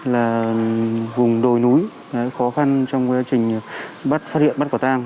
là vùng đồi núi khó khăn trong quá trình bắt phát hiện bắt quả tang